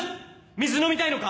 水飲みたいのか？